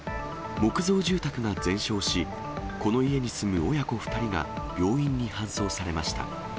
木造住宅が全焼し、この家に住む親子２人が病院に搬送されました。